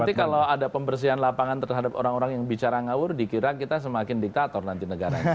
nanti kalau ada pembersihan lapangan terhadap orang orang yang bicara ngawur dikira kita semakin diktator nanti negaranya